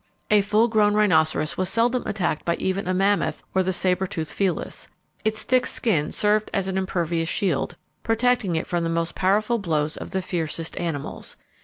A full grown rhinoceros was seldom attacked by even a mammoth or the sabre toothed felis. Its thick skin served as an impervious shield, protecting it from the most powerful blows of the fiercest animals.